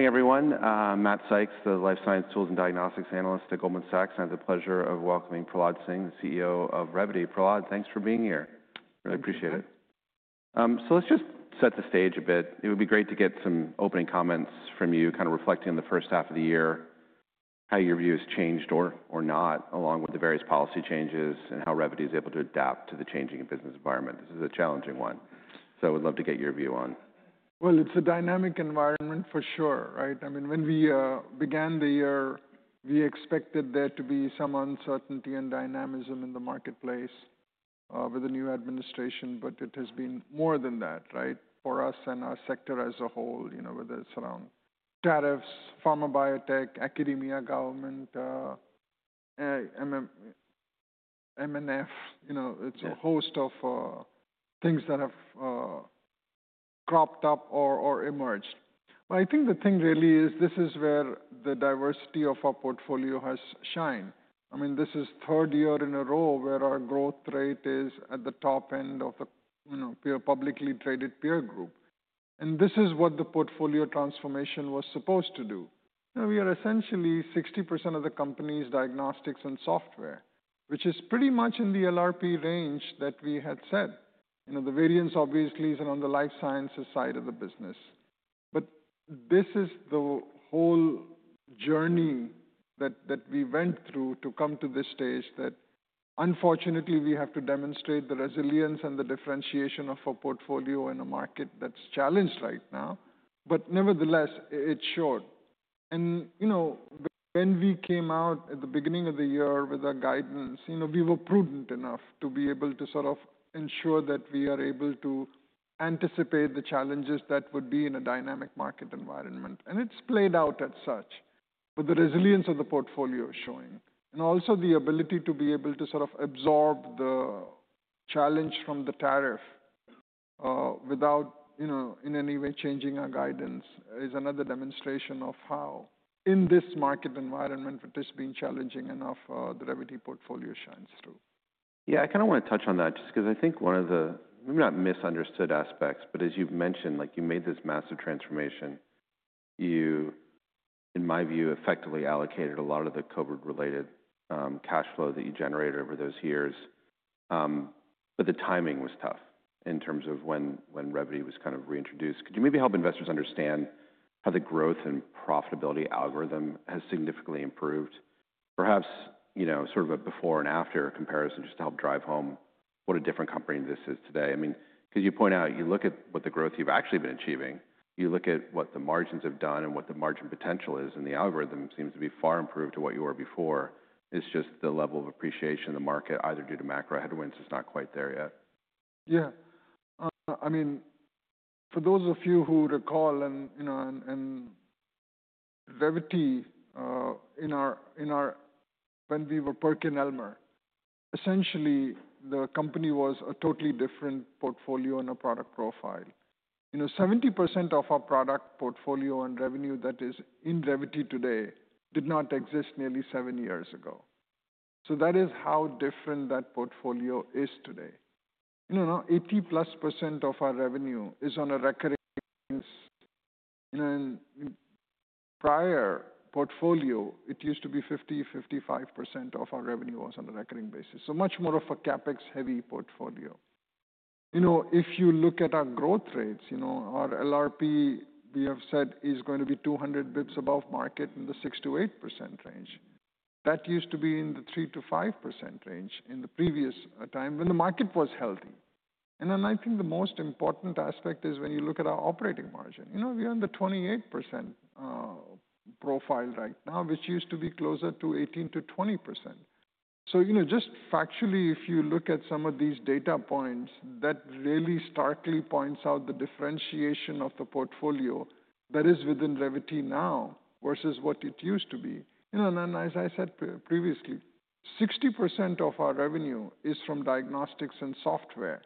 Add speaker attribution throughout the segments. Speaker 1: Morning, everyone. I'm Matt Sykes, the Life Science Tools and Diagnostics Analyst at Goldman Sachs. I have the pleasure of welcoming Prahlad Singh, the CEO of Revvity. Prahlad, thanks for being here. Really appreciate it. Let's just set the stage a bit. It would be great to get some opening comments from you, kind of reflecting on the first half of the year, how your view has changed or not, along with the various policy changes and how Revvity is able to adapt to the changing business environment. This is a challenging one, so I would love to get your view on.
Speaker 2: It is a dynamic environment, for sure. I mean, when we began the year, we expected there to be some uncertainty and dynamism in the marketplace with the new administration, but it has been more than that for us and our sector as a whole, whether it is around tariffs, pharma biotech, academia, government, MNF. It is a host of things that have cropped up or emerged. I think the thing really is this is where the diversity of our portfolio has shined. I mean, this is the third year in a row where our growth rate is at the top end of the publicly traded peer group. This is what the portfolio transformation was supposed to do. We are essentially 60% of the company's diagnostics and software, which is pretty much in the LRP range that we had said. The variance, obviously, is on the life sciences side of the business. This is the whole journey that we went through to come to this stage that, unfortunately, we have to demonstrate the resilience and the differentiation of our portfolio in a market that's challenged right now. Nevertheless, it showed. When we came out at the beginning of the year with our guidance, we were prudent enough to be able to sort of ensure that we are able to anticipate the challenges that would be in a dynamic market environment. It's played out as such. The resilience of the portfolio is showing. Also, the ability to be able to sort of absorb the challenge from the tariff without, in any way, changing our guidance is another demonstration of how, in this market environment, it has been challenging enough the Revvity portfolio shines through.
Speaker 1: Yeah, I kind of want to touch on that just because I think one of the, maybe not misunderstood aspects, but as you've mentioned, you made this massive transformation. You, in my view, effectively allocated a lot of the COVID-related cash flow that you generated over those years. The timing was tough in terms of when Revvity was kind of reintroduced. Could you maybe help investors understand how the growth and profitability algorithm has significantly improved? Perhaps sort of a before and after comparison just to help drive home what a different company this is today. I mean, because you point out, you look at what the growth you've actually been achieving, you look at what the margins have done and what the margin potential is, and the algorithm seems to be far improved to what you were before. It's just the level of appreciation in the market, either due to macro headwinds, is not quite there yet.
Speaker 2: Yeah. I mean, for those of you who recall, Revvity in our, when we were PerkinElmer, essentially, the company was a totally different portfolio and a product profile. 70% of our product portfolio and revenue that is in Revvity today did not exist nearly seven years ago. That is how different that portfolio is today. 80% plus of our revenue is on a recurring basis. In a prior portfolio, it used to be 50%-55% of our revenue was on a recurring basis. Much more of a CapEx-heavy portfolio. If you look at our growth rates, our LRP, we have said, is going to be 200 basis points above market in the 6%-8% range. That used to be in the 3%-5% range in the previous time when the market was healthy. I think the most important aspect is when you look at our operating margin. We are in the 28% profile right now, which used to be closer to 18%-20%. Just factually, if you look at some of these data points, that really starkly points out the differentiation of the portfolio that is within Revvity now versus what it used to be. As I said previously, 60% of our revenue is from diagnostics and software.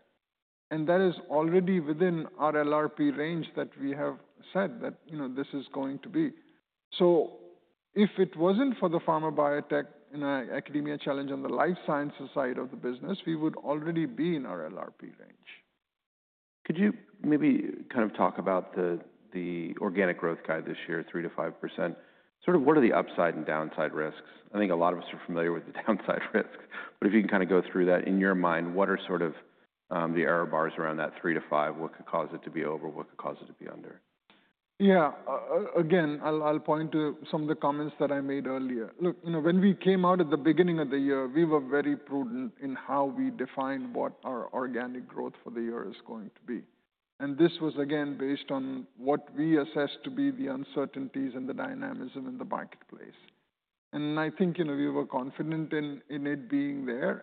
Speaker 2: That is already within our LRP range that we have said that this is going to be. If it was not for the pharma biotech and academia challenge on the life sciences side of the business, we would already be in our LRP range.
Speaker 1: Could you maybe kind of talk about the organic growth kind of this year, 3%-5%? Sort of what are the upside and downside risks? I think a lot of us are familiar with the downside risks. If you can kind of go through that in your mind, what are sort of the error bars around that 3%-5%? What could cause it to be over? What could cause it to be under?
Speaker 2: Yeah. Again, I'll point to some of the comments that I made earlier. Look, when we came out at the beginning of the year, we were very prudent in how we defined what our organic growth for the year is going to be. This was, again, based on what we assessed to be the uncertainties and the dynamism in the marketplace. I think we were confident in it being there.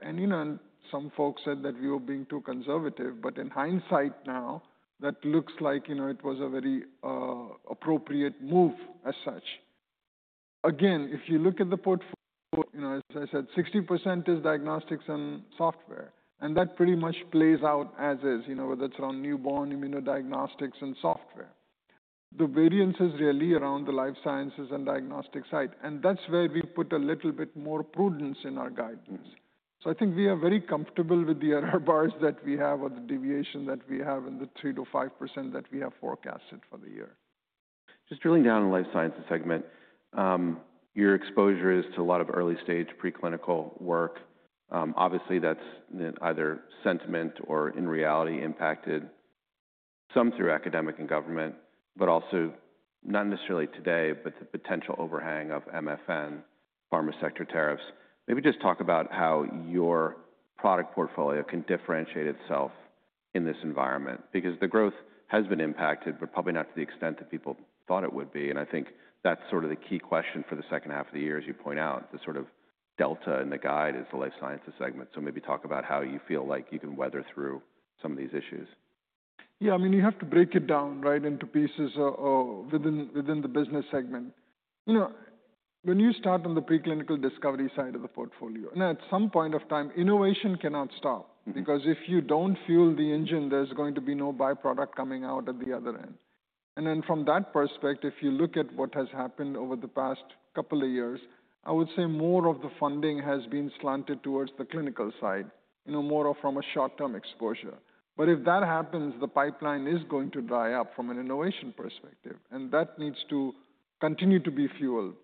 Speaker 2: Some folks said that we were being too conservative. In hindsight now, that looks like it was a very appropriate move as such. If you look at the portfolio, as I said, 60% is diagnostics and software. That pretty much plays out as is, whether it's around newborn immunodiagnostics and software. The variance is really around the life sciences and diagnostics side. That is where we put a little bit more prudence in our guidance. I think we are very comfortable with the error bars that we have or the deviation that we have in the 3%-5% that we have forecasted for the year.
Speaker 1: Just drilling down on the life sciences segment, your exposure is to a lot of early stage preclinical work. Obviously, that's either sentiment or, in reality, impacted some through academic and government, but also not necessarily today, but the potential overhang of MFN, pharma sector tariffs. Maybe just talk about how your product portfolio can differentiate itself in this environment, because the growth has been impacted, but probably not to the extent that people thought it would be. I think that's sort of the key question for the second half of the year, as you point out, the sort of delta in the guide is the life sciences segment. Maybe talk about how you feel like you can weather through some of these issues.
Speaker 2: Yeah. I mean, you have to break it down into pieces within the business segment. When you start on the preclinical discovery side of the portfolio, at some point of time, innovation cannot stop, because if you do not fuel the engine, there is going to be no byproduct coming out at the other end. From that perspective, if you look at what has happened over the past couple of years, I would say more of the funding has been slanted towards the clinical side, more from a short-term exposure. If that happens, the pipeline is going to dry up from an innovation perspective. That needs to continue to be fueled.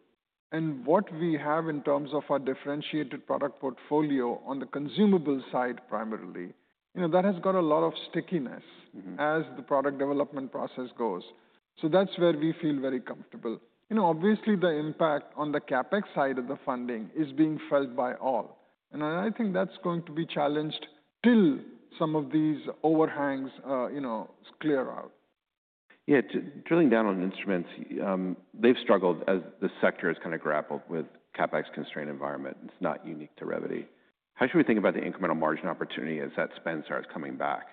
Speaker 2: What we have in terms of our differentiated product portfolio on the consumable side primarily, that has got a lot of stickiness as the product development process goes. That is where we feel very comfortable. Obviously, the impact on the CapEx side of the funding is being felt by all. I think that's going to be challenged till some of these overhangs clear out.
Speaker 1: Yeah. Drilling down on instruments, they've struggled as the sector has kind of grappled with a CapEx constrained environment. It's not unique to Revvity. How should we think about the incremental margin opportunity as that spend starts coming back?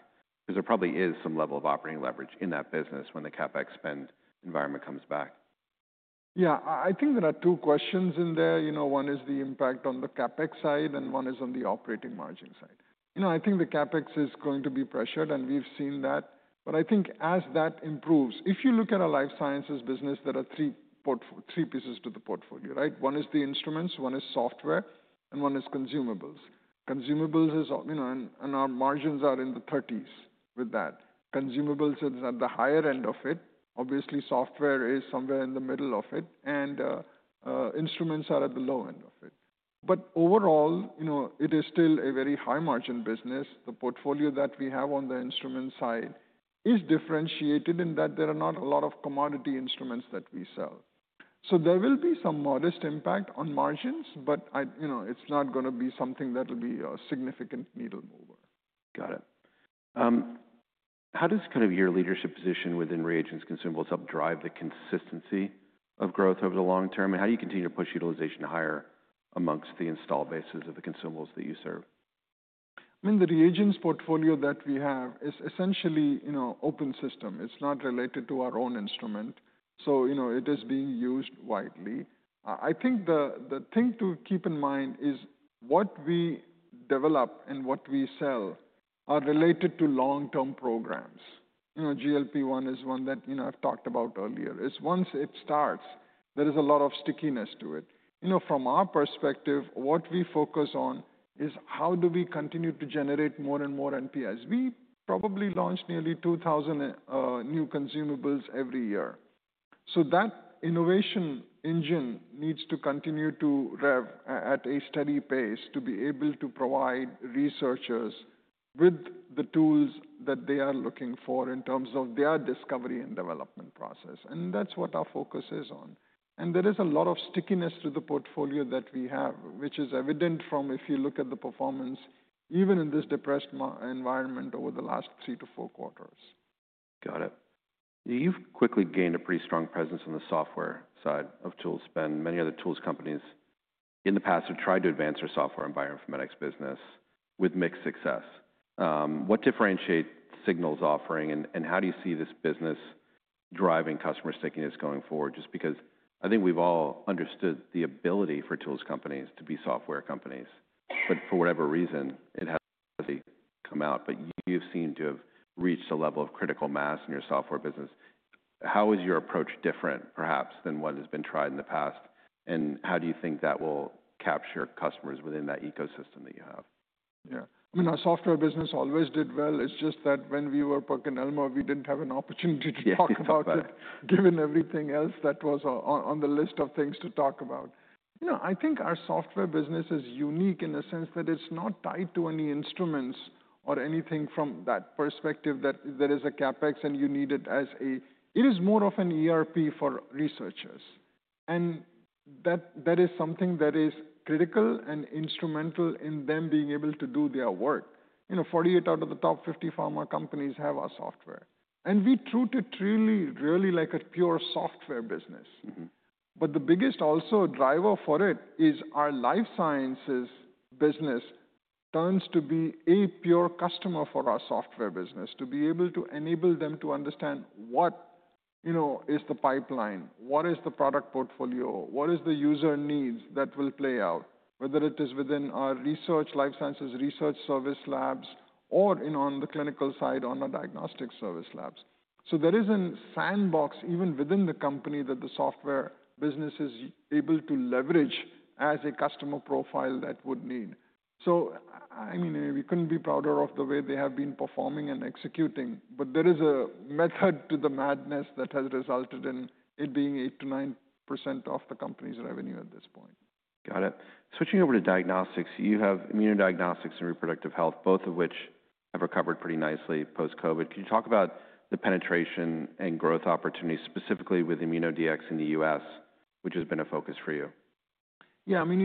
Speaker 1: Because there probably is some level of operating leverage in that business when the CapEx spend environment comes back.
Speaker 2: Yeah. I think there are two questions in there. One is the impact on the CapEx side, and one is on the operating margin side. I think the CapEx is going to be pressured, and we've seen that. I think as that improves, if you look at a life sciences business, there are three pieces to the portfolio. One is the instruments, one is software, and one is consumables. Consumables is, and our margins are in the 30s with that. Consumables is at the higher end of it. Obviously, software is somewhere in the middle of it. Instruments are at the low end of it. Overall, it is still a very high margin business. The portfolio that we have on the instrument side is differentiated in that there are not a lot of commodity instruments that we sell. There will be some modest impact on margins, but it's not going to be something that will be a significant needle mover.
Speaker 1: Got it. How does kind of your leadership position within reagents consumables help drive the consistency of growth over the long term? How do you continue to push utilization higher amongst the installed bases of the consumables that you serve?
Speaker 2: I mean, the reagents portfolio that we have is essentially an open system. It's not related to our own instrument. It is being used widely. I think the thing to keep in mind is what we develop and what we sell are related to long-term programs. GLP-1 is one that I've talked about earlier. Once it starts, there is a lot of stickiness to it. From our perspective, what we focus on is how do we continue to generate more and more NPS. We probably launch nearly 2,000 new consumables every year. That innovation engine needs to continue to rev at a steady pace to be able to provide researchers with the tools that they are looking for in terms of their discovery and development process. That's what our focus is on. There is a lot of stickiness to the portfolio that we have, which is evident from if you look at the performance, even in this depressed environment over the last three to four quarters.
Speaker 1: Got it. You've quickly gained a pretty strong presence on the software side of tool spend. Many other tools companies in the past have tried to advance their software and bioinformatics business with mixed success. What differentiates Signal's offering, and how do you see this business driving customer stickiness going forward? Just because I think we've all understood the ability for tools companies to be software companies. For whatever reason, it hasn't really come out. You've seemed to have reached a level of critical mass in your software business. How is your approach different, perhaps, than what has been tried in the past? How do you think that will capture customers within that ecosystem that you have?
Speaker 2: Yeah. I mean, our software business always did well. It's just that when we were PerkinElmer, we didn't have an opportunity to talk about it, given everything else that was on the list of things to talk about. I think our software business is unique in a sense that it's not tied to any instruments or anything from that perspective that there is a CapEx and you need it as a, it is more of an ERP for researchers. And that is something that is critical and instrumental in them being able to do their work. 48 out of the top 50 pharma companies have our software. And we truly, truly like a pure software business. The biggest also driver for it is our life sciences business turns to be a pure customer for our software business, to be able to enable them to understand what is the pipeline, what is the product portfolio, what is the user needs that will play out, whether it is within our research, life sciences research service labs, or on the clinical side on our diagnostic service labs. There is a sandbox even within the company that the software business is able to leverage as a customer profile that would need. I mean, we could not be prouder of the way they have been performing and executing. There is a method to the madness that has resulted in it being 8%-9% of the company's revenue at this point.
Speaker 1: Got it. Switching over to diagnostics, you have immunodiagnostics and reproductive health, both of which have recovered pretty nicely post-COVID. Could you talk about the penetration and growth opportunities specifically with ImmunoDX in the U.S., which has been a focus for you?
Speaker 2: Yeah. I mean,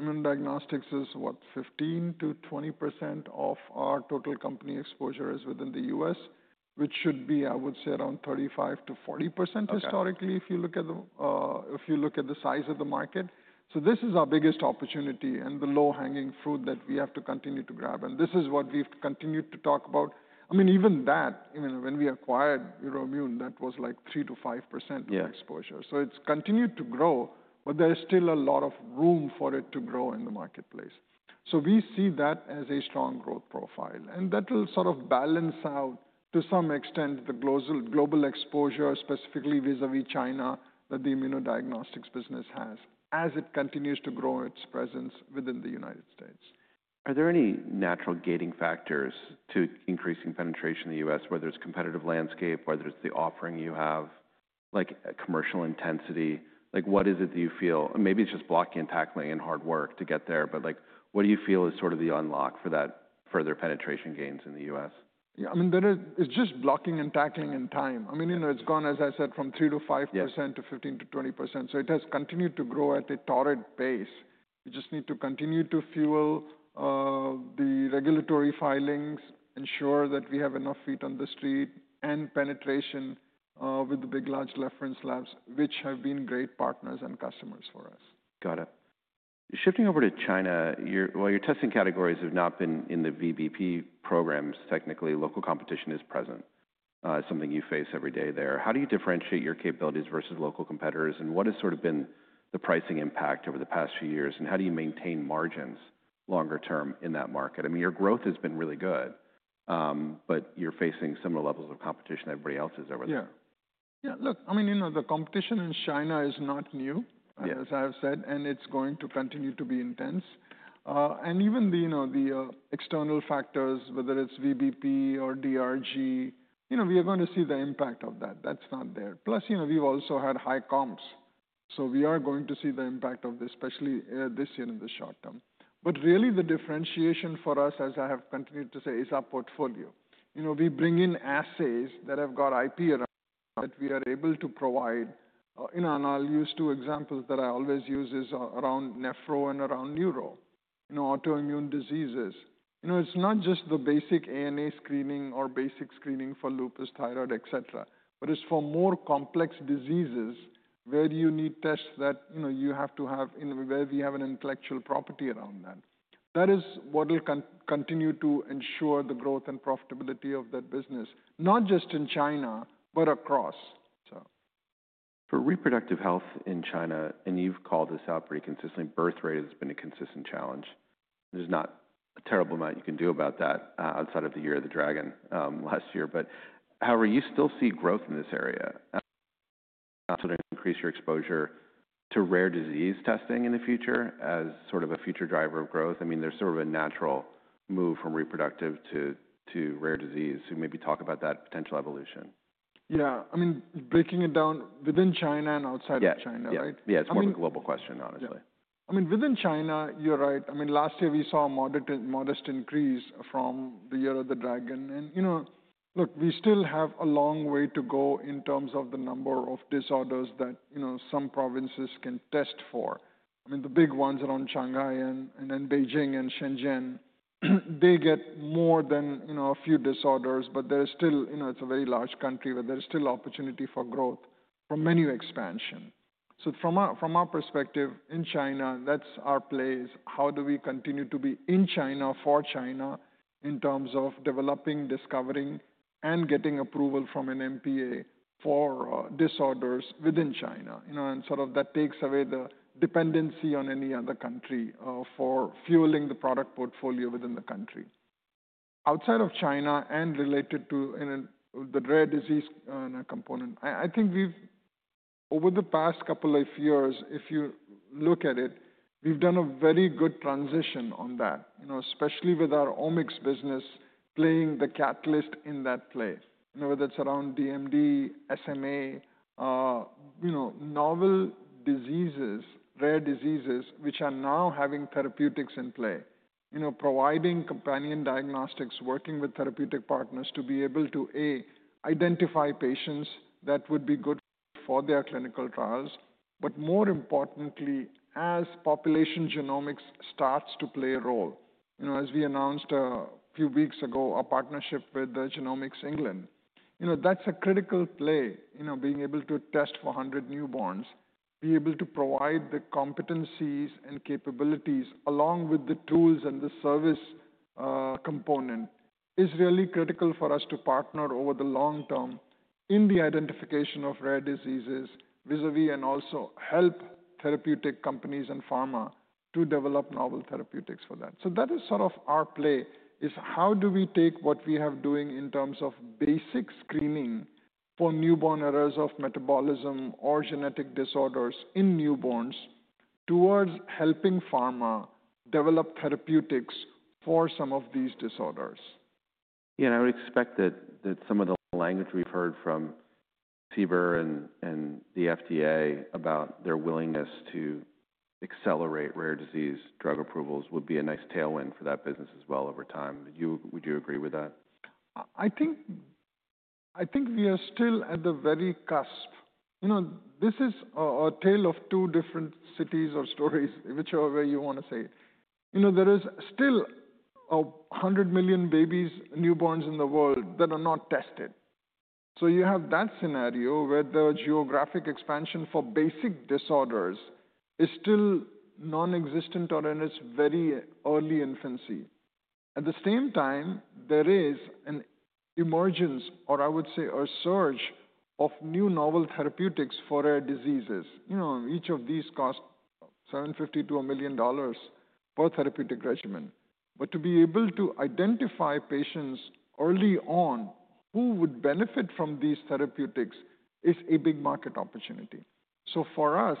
Speaker 2: immunodiagnostics is what, 15%-20% of our total company exposure is within the US, which should be, I would say, around 35%-40% historically, if you look at the size of the market. This is our biggest opportunity and the low-hanging fruit that we have to continue to grab. This is what we've continued to talk about. I mean, even that, when we acquired Euroimmun, that was like 3%-5% of exposure. It has continued to grow, but there is still a lot of room for it to grow in the marketplace. We see that as a strong growth profile. That will sort of balance out, to some extent, the global exposure, specifically vis-à-vis China that the immunodiagnostics business has as it continues to grow its presence within the United States.
Speaker 1: Are there any natural gating factors to increasing penetration in the U.S., whether it's competitive landscape, whether it's the offering you have, like commercial intensity? What is it that you feel, and maybe it's just blocking and tackling and hard work to get there, but what do you feel is sort of the unlock for that further penetration gains in the U.S.?
Speaker 2: Yeah. I mean, it's just blocking and tackling in time. I mean, it's gone, as I said, from 3% to 5% to 15%-20%. So it has continued to grow at a torrid pace. We just need to continue to fuel the regulatory filings, ensure that we have enough feet on the street, and penetration with the big large reference labs, which have been great partners and customers for us.
Speaker 1: Got it. Shifting over to China, while your testing categories have not been in the VBP programs, technically, local competition is present, something you face every day there. How do you differentiate your capabilities versus local competitors? What has sort of been the pricing impact over the past few years? How do you maintain margins longer term in that market? I mean, your growth has been really good, but you're facing similar levels of competition everybody else is over there.
Speaker 2: Yeah. Yeah. Look, I mean, the competition in China is not new, as I have said, and it's going to continue to be intense. Even the external factors, whether it's VBP or DRG, we are going to see the impact of that. That's not there. Plus, we've also had high comps. We are going to see the impact of this, especially this year in the short term. Really, the differentiation for us, as I have continued to say, is our portfolio. We bring in assays that have got IP around that we are able to provide. I'll use two examples that I always use around nephro and around neuro, autoimmune diseases. It's not just the basic ANA screening or basic screening for lupus, thyroid, et cetera, but it's for more complex diseases where you need tests that you have to have where we have an intellectual property around that. That is what will continue to ensure the growth and profitability of that business, not just in China, but across.
Speaker 1: For reproductive health in China, and you've called this out pretty consistently, birth rate has been a consistent challenge. There's not a terrible amount you can do about that outside of the Year of the Dragon last year. However, you still see growth in this area. Considering increasing your exposure to rare disease testing in the future as sort of a future driver of growth? I mean, there's sort of a natural move from reproductive to rare disease. Maybe talk about that potential evolution.
Speaker 2: Yeah. I mean, breaking it down within China and outside of China, right?
Speaker 1: Yeah. Yeah. It's more of a global question, honestly.
Speaker 2: Yeah. I mean, within China, you're right. I mean, last year, we saw a modest increase from the Year of the Dragon. Look, we still have a long way to go in terms of the number of disorders that some provinces can test for. I mean, the big ones around Shanghai and then Beijing and Shenzhen, they get more than a few disorders, but there is still, it's a very large country, but there is still opportunity for growth from menu expansion. From our perspective in China, that's our play. How do we continue to be in China, for China, in terms of developing, discovering, and getting approval from an MPA for disorders within China? That takes away the dependency on any other country for fueling the product portfolio within the country. Outside of China and related to the rare disease component, I think we've, over the past couple of years, if you look at it, we've done a very good transition on that, especially with our omics business playing the catalyst in that play. Whether it's around DMD, SMA, novel diseases, rare diseases, which are now having therapeutics in play, providing companion diagnostics, working with therapeutic partners to be able to, A, identify patients that would be good for their clinical trials. More importantly, as population genomics starts to play a role, as we announced a few weeks ago, our partnership with Genomics England, that's a critical play. Being able to test for 100 newborns, be able to provide the competencies and capabilities along with the tools and the service component is really critical for us to partner over the long term in the identification of rare diseases vis-à-vis and also help therapeutic companies and pharma to develop novel therapeutics for that. That is sort of our play, is how do we take what we have doing in terms of basic screening for newborn errors of metabolism or genetic disorders in newborns towards helping pharma develop therapeutics for some of these disorders.
Speaker 1: Yeah. I would expect that some of the language we've heard from CBER and the FDA about their willingness to accelerate rare disease drug approvals would be a nice tailwind for that business as well over time. Would you agree with that?
Speaker 2: I think we are still at the very cusp. This is a tale of two different cities or stories, whichever way you want to say it. There are still 100 million babies, newborns in the world that are not tested. You have that scenario where the geographic expansion for basic disorders is still nonexistent or in its very early infancy. At the same time, there is an emergence, or I would say a surge of new novel therapeutics for rare diseases. Each of these costs $750,000 to $1 million per therapeutic regimen. To be able to identify patients early on who would benefit from these therapeutics is a big market opportunity. For us,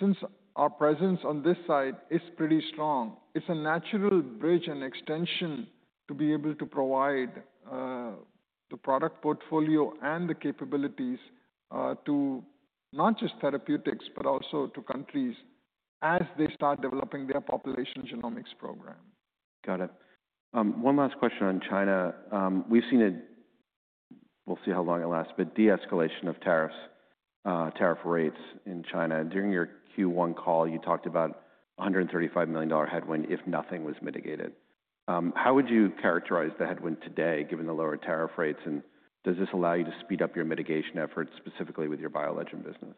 Speaker 2: since our presence on this side is pretty strong, it's a natural bridge and extension to be able to provide the product portfolio and the capabilities to not just therapeutics, but also to countries as they start developing their population genomics program.
Speaker 1: Got it. One last question on China. We've seen a, we'll see how long it lasts, but de-escalation of tariffs, tariff rates in China. During your Q1 call, you talked about a $135 million headwind if nothing was mitigated. How would you characterize the headwind today, given the lower tariff rates? Does this allow you to speed up your mitigation efforts specifically with your BioLegend business?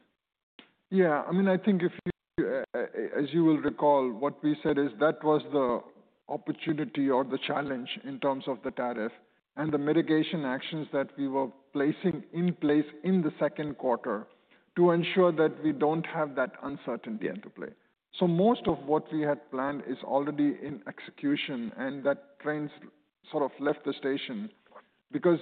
Speaker 2: Yeah. I mean, I think if you, as you will recall, what we said is that was the opportunity or the challenge in terms of the tariff and the mitigation actions that we were placing in place in the second quarter to ensure that we do not have that uncertainty into play. Most of what we had planned is already in execution. That train sort of left the station because,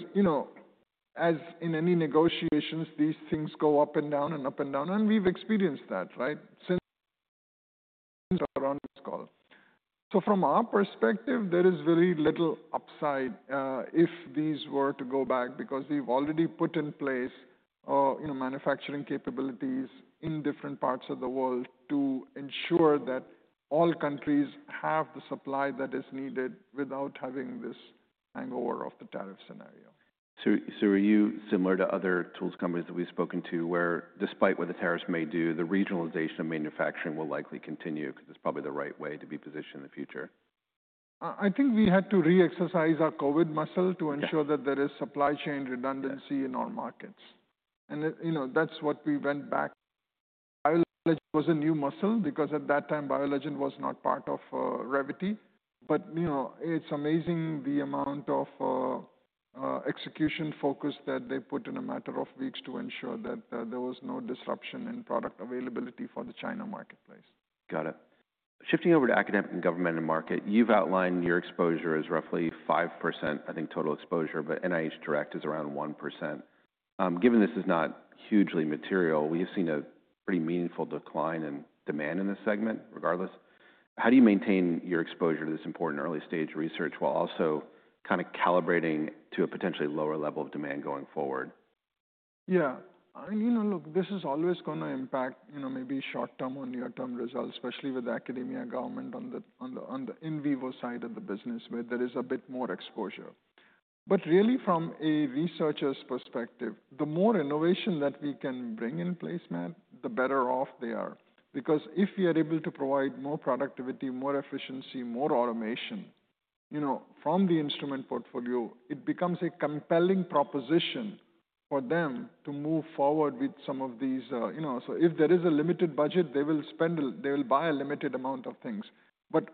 Speaker 2: as in any negotiations, these things go up and down and up and down. We have experienced that, right, since our on this call. From our perspective, there is very little upside if these were to go back because we have already put in place manufacturing capabilities in different parts of the world to ensure that all countries have the supply that is needed without having this hangover of the tariff scenario.
Speaker 1: Are you similar to other tools companies that we've spoken to where, despite what the tariffs may do, the regionalization of manufacturing will likely continue because it's probably the right way to be positioned in the future?
Speaker 2: I think we had to re-exercise our COVID muscle to ensure that there is supply chain redundancy in our markets. That is what we went back. BioLegend was a new muscle because at that time, BioLegend was not part of Revvity. It is amazing the amount of execution focus that they put in a matter of weeks to ensure that there was no disruption in product availability for the China marketplace.
Speaker 1: Got it. Shifting over to academic and government and market, you've outlined your exposure as roughly 5%, I think, total exposure, but NIH Direct is around 1%. Given this is not hugely material, we have seen a pretty meaningful decline in demand in this segment regardless. How do you maintain your exposure to this important early stage research while also kind of calibrating to a potentially lower level of demand going forward?
Speaker 2: Yeah. I mean, look, this is always going to impact maybe short-term or near-term results, especially with academia government on the in vivo side of the business where there is a bit more exposure. Really, from a researcher's perspective, the more innovation that we can bring in place, Matt, the better off they are. Because if we are able to provide more productivity, more efficiency, more automation from the instrument portfolio, it becomes a compelling proposition for them to move forward with some of these. If there is a limited budget, they will spend, they will buy a limited amount of things.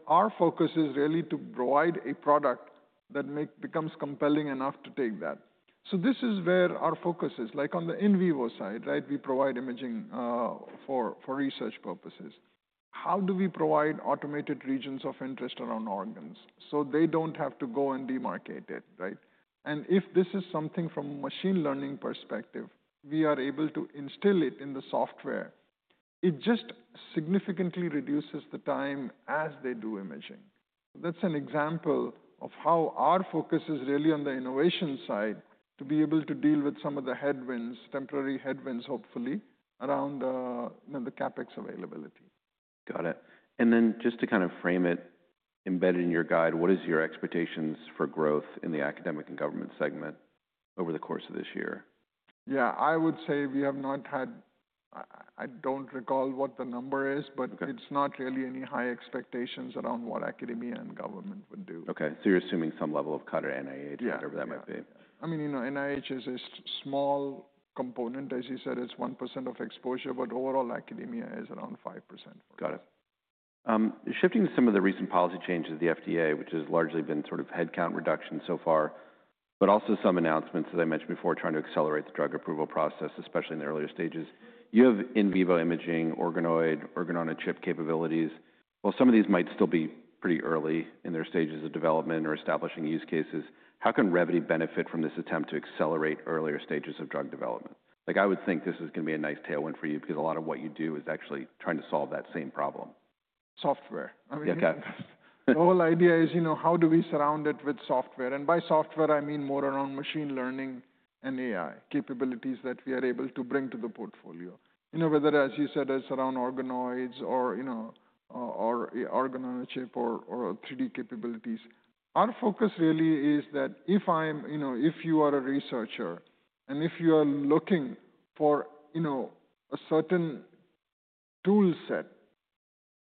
Speaker 2: Our focus is really to provide a product that becomes compelling enough to take that. This is where our focus is. Like on the in vivo side, right, we provide imaging for research purposes. How do we provide automated regions of interest around organs so they don't have to go and demarcate it, right? If this is something from a machine learning perspective, we are able to instill it in the software, it just significantly reduces the time as they do imaging. That's an example of how our focus is really on the innovation side to be able to deal with some of the headwinds, temporary headwinds, hopefully, around the CapEx availability.
Speaker 1: Got it. Just to kind of frame it embedded in your guide, what is your expectations for growth in the academic and government segment over the course of this year?
Speaker 2: Yeah. I would say we have not had, I don't recall what the number is, but it's not really any high expectations around what academia and government would do.
Speaker 1: Okay. So you're assuming some level of cut at NIH, whatever that might be.
Speaker 2: Yeah. I mean, NIH is a small component, as you said, it's 1% of exposure, but overall academia is around 5%.
Speaker 1: Got it. Shifting to some of the recent policy changes at the FDA, which has largely been sort of headcount reduction so far, but also some announcements, as I mentioned before, trying to accelerate the drug approval process, especially in the earlier stages. You have in vivo imaging, organoid, organ-on-a-chip capabilities. While some of these might still be pretty early in their stages of development or establishing use cases, how can Revvity benefit from this attempt to accelerate earlier stages of drug development? Like I would think this is going to be a nice tailwind for you because a lot of what you do is actually trying to solve that same problem.
Speaker 2: Software. I mean, the whole idea is how do we surround it with software? And by software, I mean more around machine learning and AI capabilities that we are able to bring to the portfolio. Whether, as you said, it's around organoids or organ-on-a-chip or 3D capabilities. Our focus really is that if you are a researcher and if you are looking for a certain toolset,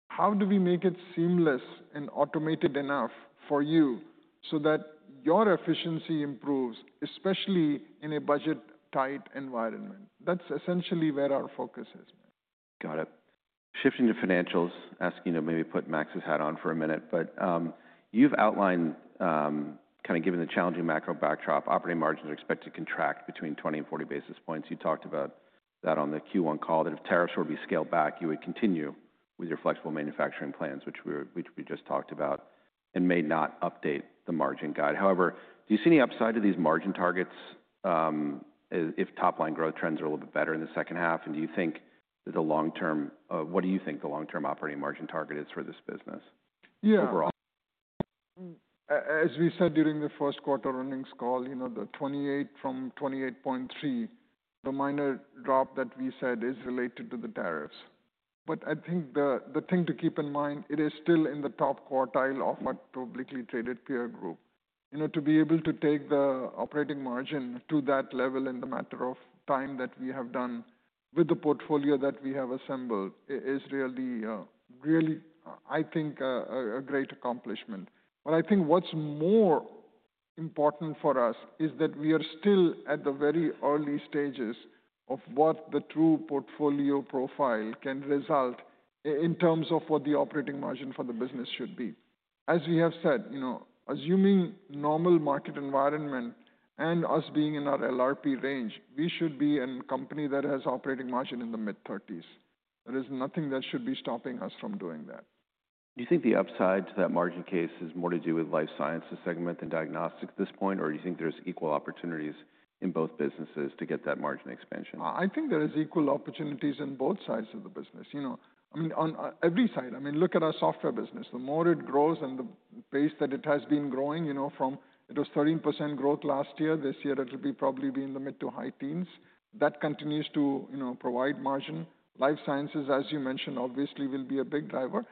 Speaker 2: how do we make it seamless and automated enough for you so that your efficiency improves, especially in a budget-tight environment? That's essentially where our focus is.
Speaker 1: Got it. Shifting to financials, asking to maybe put Max's hat on for a minute. But you've outlined, kind of given the challenging macro backdrop, operating margins are expected to contract between 20 and 40 basis points. You talked about that on the Q1 call that if tariffs were to be scaled back, you would continue with your flexible manufacturing plans, which we just talked about, and may not update the margin guide. However, do you see any upside to these margin targets if top-line growth trends are a little bit better in the second half? And do you think that the long-term, what do you think the long-term operating margin target is for this business overall?
Speaker 2: Yeah. As we said during the first quarter earnings call, the 28 from 28.3, the minor drop that we said is related to the tariffs. I think the thing to keep in mind, it is still in the top quartile of our publicly traded peer group. To be able to take the operating margin to that level in the matter of time that we have done with the portfolio that we have assembled is really, I think, a great accomplishment. I think what's more important for us is that we are still at the very early stages of what the true portfolio profile can result in terms of what the operating margin for the business should be. As we have said, assuming normal market environment and us being in our LRP range, we should be a company that has operating margin in the mid-30s. There is nothing that should be stopping us from doing that.
Speaker 1: Do you think the upside to that margin case is more to do with life sciences segment than diagnostics at this point? Or do you think there's equal opportunities in both businesses to get that margin expansion?
Speaker 2: I think there are equal opportunities in both sides of the business. I mean, on every side. I mean, look at our software business. The more it grows and the pace that it has been growing from, it was 13% growth last year, this year it'll probably be in the mid to high teens. That continues to provide margin. Life sciences, as you mentioned, obviously will be a big driver.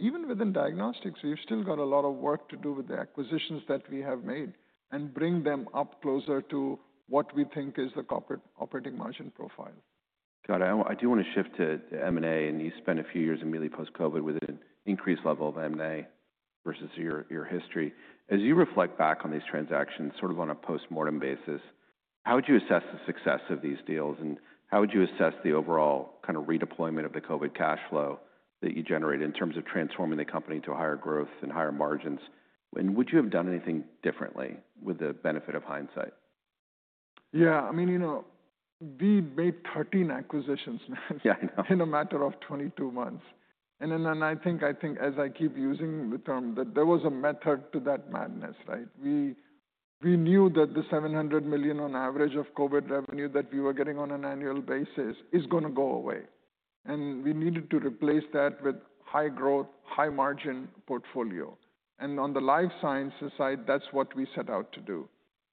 Speaker 2: Even within diagnostics, we've still got a lot of work to do with the acquisitions that we have made and bring them up closer to what we think is the corporate operating margin profile.
Speaker 1: Got it. I do want to shift to M&A. You spent a few years immediately post-COVID with an increased level of M&A versus your history. As you reflect back on these transactions, sort of on a post-mortem basis, how would you assess the success of these deals? How would you assess the overall kind of redeployment of the COVID cash flow that you generated in terms of transforming the company to higher growth and higher margins? Would you have done anything differently with the benefit of hindsight?
Speaker 2: Yeah. I mean, we made 13 acquisitions, Matt, in a matter of 22 months. I think, as I keep using the term, that there was a method to that madness, right? We knew that the $700 million on average of COVID revenue that we were getting on an annual basis is going to go away. We needed to replace that with high growth, high margin portfolio. On the life sciences side, that's what we set out to do.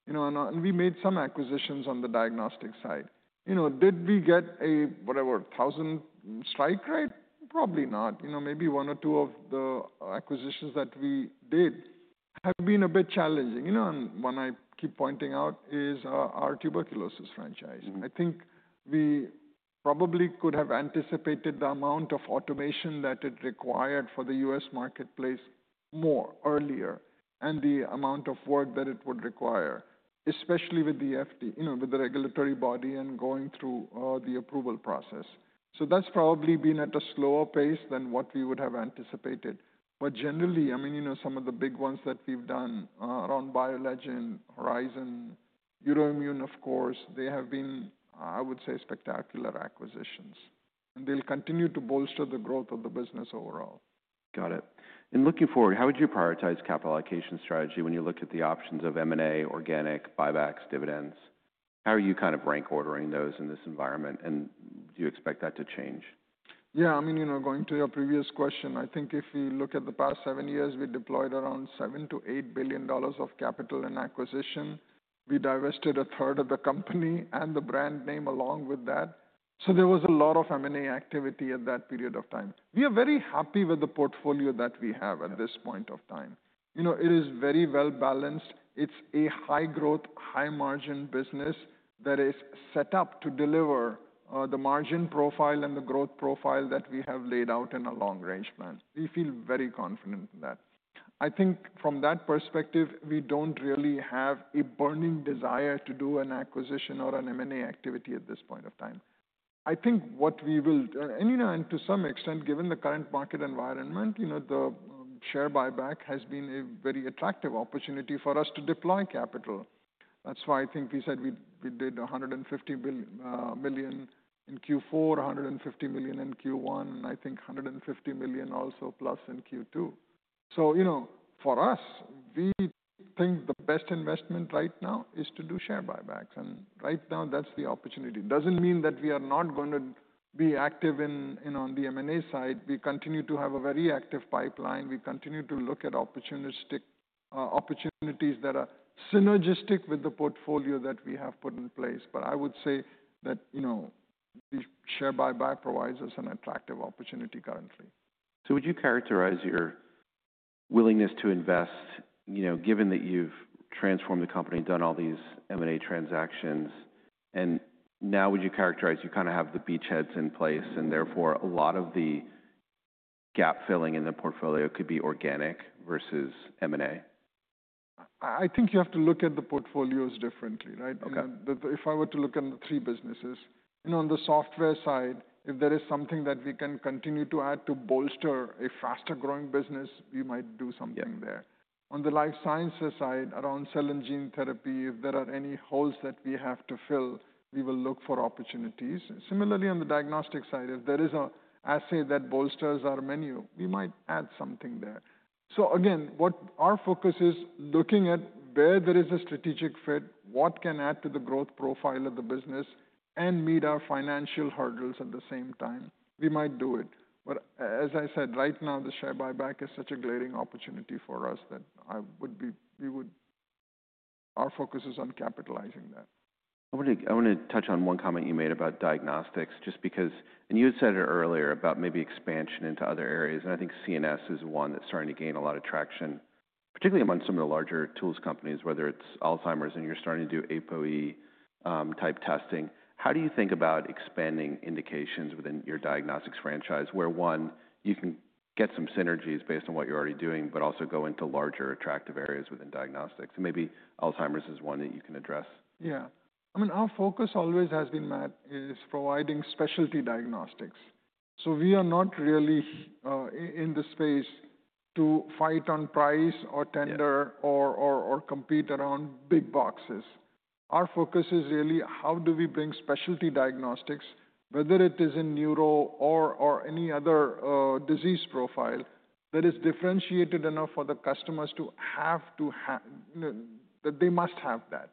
Speaker 2: We made some acquisitions on the diagnostic side. Did we get a, whatever, 1,000 strike rate? Probably not. Maybe one or two of the acquisitions that we did have been a bit challenging. One I keep pointing out is our tuberculosis franchise. I think we probably could have anticipated the amount of automation that it required for the US marketplace more earlier and the amount of work that it would require, especially with the FDA, with the regulatory body and going through the approval process. That has probably been at a slower pace than what we would have anticipated. Generally, I mean, some of the big ones that we've done around BioLegend, Horizon, Euroimmun, of course, they have been, I would say, spectacular acquisitions. They'll continue to bolster the growth of the business overall.
Speaker 1: Got it. Looking forward, how would you prioritize capital allocation strategy when you look at the options of M&A, organic, buybacks, dividends? How are you kind of rank ordering those in this environment? Do you expect that to change?
Speaker 2: Yeah. I mean, going to your previous question, I think if we look at the past seven years, we deployed around $7 billion to $8 billion of capital in acquisition. We divested a third of the company and the brand name along with that. There was a lot of M&A activity at that period of time. We are very happy with the portfolio that we have at this point of time. It is very well balanced. It's a high-growth, high-margin business that is set up to deliver the margin profile and the growth profile that we have laid out in a long-range plan. We feel very confident in that. I think from that perspective, we don't really have a burning desire to do an acquisition or an M&A activity at this point of time. I think what we will, and to some extent, given the current market environment, the share buyback has been a very attractive opportunity for us to deploy capital. That's why I think we said we did $150 million in Q4, $150 million in Q1, and I think $150 million also plus in Q2. For us, we think the best investment right now is to do share buybacks. Right now, that's the opportunity. It does not mean that we are not going to be active on the M&A side. We continue to have a very active pipeline. We continue to look at opportunities that are synergistic with the portfolio that we have put in place. I would say that the share buyback provides us an attractive opportunity currently.
Speaker 1: Would you characterize your willingness to invest, given that you've transformed the company and done all these M&A transactions? Now would you characterize you kind of have the beachheads in place and therefore a lot of the gap filling in the portfolio could be organic versus M&A?
Speaker 2: I think you have to look at the portfolios differently, right? If I were to look at the three businesses, on the software side, if there is something that we can continue to add to bolster a faster-growing business, we might do something there. On the life sciences side, around cell and gene therapy, if there are any holes that we have to fill, we will look for opportunities. Similarly, on the diagnostic side, if there is an asset that bolsters our menu, we might add something there. Again, our focus is looking at where there is a strategic fit, what can add to the growth profile of the business, and meet our financial hurdles at the same time. We might do it. As I said, right now, the share buyback is such a glaring opportunity for us that our focus is on capitalizing that.
Speaker 1: I want to touch on one comment you made about diagnostics just because, and you had said it earlier about maybe expansion into other areas. I think CNS is one that's starting to gain a lot of traction, particularly among some of the larger tools companies, whether it's Alzheimer's and you're starting to do APOE-type testing. How do you think about expanding indications within your diagnostics franchise where, one, you can get some synergies based on what you're already doing, but also go into larger attractive areas within diagnostics? Maybe Alzheimer's is one that you can address.
Speaker 2: Yeah. I mean, our focus always has been, Matt, is providing specialty diagnostics. We are not really in the space to fight on price or tender or compete around big boxes. Our focus is really how do we bring specialty diagnostics, whether it is in neuro or any other disease profile that is differentiated enough for the customers to have to, that they must have that.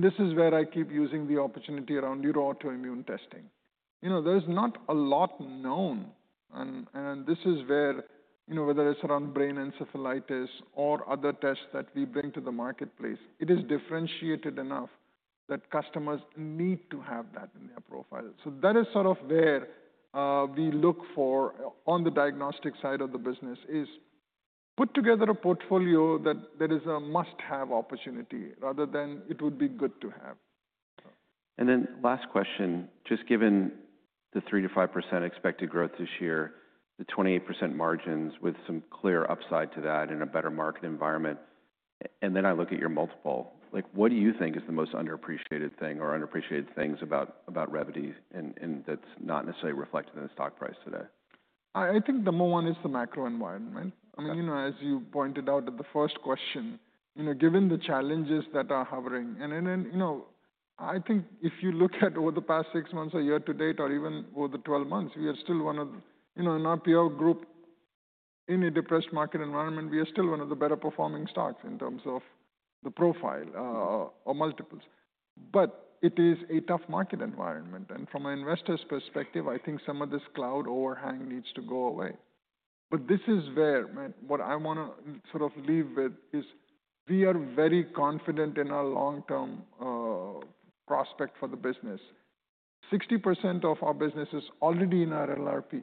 Speaker 2: This is where I keep using the opportunity around neuro autoimmune testing. There is not a lot known. This is where, whether it is around brain encephalitis or other tests that we bring to the marketplace, it is differentiated enough that customers need to have that in their profile. That is sort of where we look for on the diagnostic side of the business, is put together a portfolio that is a must-have opportunity rather than it would be good to have.
Speaker 1: Last question, just given the 3-5% expected growth this year, the 28% margins with some clear upside to that in a better market environment. Then I look at your multiple. What do you think is the most underappreciated thing or underappreciated things about Revvity that's not necessarily reflected in the stock price today?
Speaker 2: I think the more one is the macro environment. I mean, as you pointed out at the first question, given the challenges that are hovering. I think if you look at over the past six months or year to date or even over the 12 months, we are still one of, in our peer group, in a depressed market environment, we are still one of the better performing stocks in terms of the profile or multiples. It is a tough market environment. From an investor's perspective, I think some of this cloud overhang needs to go away. This is where, Matt, what I want to sort of leave with is we are very confident in our long-term prospect for the business. 60% of our business is already in our LRP.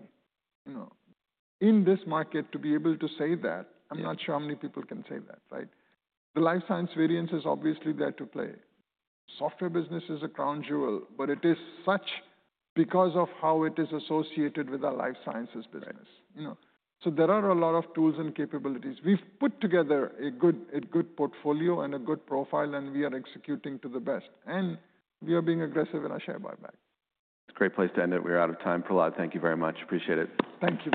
Speaker 2: In this market, to be able to say that, I'm not sure how many people can say that, right? The life science variance is obviously there to play. Software business is a crown jewel, but it is such because of how it is associated with our life sciences business. There are a lot of tools and capabilities. We've put together a good portfolio and a good profile, and we are executing to the best. We are being aggressive in our share buyback.
Speaker 1: It's a great place to end it. We're out of time. Prahlad, thank you very much. Appreciate it.
Speaker 2: Thank you.